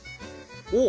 おっ。